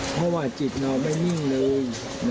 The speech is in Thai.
เพราะว่าจิตเราไม่นิ่งเลย